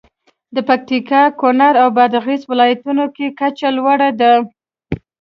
د پکتیا، کونړ او بادغیس ولایتونو کې کچه لوړه ده.